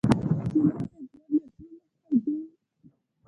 نجلۍ د ژوند له ټولو خوږه ده.